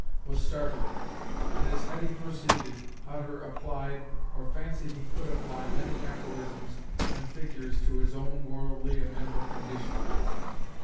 was startling, and as Hetty proceeded, Hutter applied, or fancied he could apply many aphorisms and figures to his own worldly and mental condition.